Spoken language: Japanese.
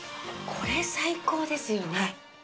これ最高ですよね。